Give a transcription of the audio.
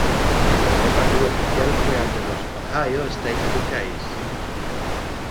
El primer partido oficial fue ante los Ohio State Buckeyes.